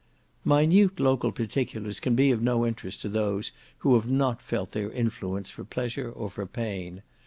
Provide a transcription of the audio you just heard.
Minute local particulars can be of no interest to those who have not felt their influence for pleasure or for pain.